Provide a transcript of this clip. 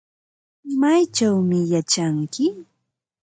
¿Maychawmi yachanki?